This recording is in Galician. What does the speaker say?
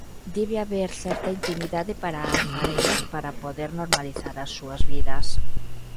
Debe haber certa intimidade para as parellas para poder normalizar as súas vidas.